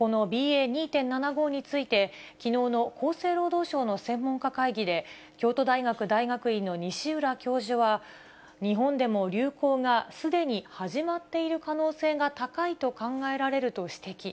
このＢＡ．２．７５について、きのうの厚生労働省の専門家会議で、京都大学大学院の西浦教授は、日本でも流行がすでに始まっている可能性が高いと考えられると指摘。